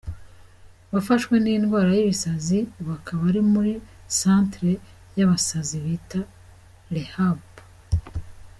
Wafashwe n’indwara y’ibisazi ubu akaba ari muri Centre y’abasazi bita Rehab.